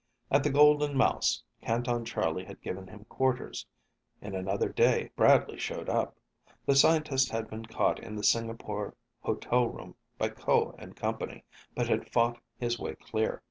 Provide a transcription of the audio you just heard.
At the Golden Mouse, Canton Charlie had given him quarters. In another day, Bradley showed up. The scientist had been caught in the Singapore hotel room by Ko and company, but had fought his way clear.